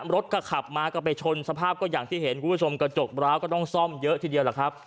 รถก็ขับมาก็ไปชนสภาพก็อย่างที่เห็นคุณผู้ชมกระจกร้าวก็ต้องซ่อมเยอะทีเดียวล่ะครับ